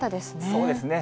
そうですね。